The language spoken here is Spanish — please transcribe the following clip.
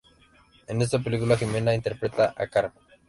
En esta película Ximena interpreta a "Carmen".